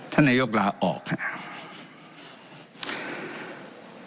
ท่านนโยคลาออกค่ะ